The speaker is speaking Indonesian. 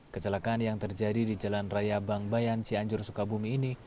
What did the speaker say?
kecelakaan yang terjadi di jalan raya bang bayan cianjur sukabumi ini